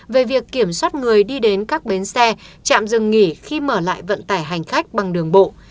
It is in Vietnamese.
về việc kiểm soát người đi đến các bến xe trạm dừng nghỉ khi mở lại vận tải hành khách bằng đường bộ